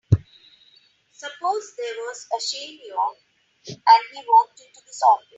Suppose there was a Shane York and he walked into this office.